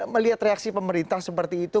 melihat reaksi pemerintah seperti itu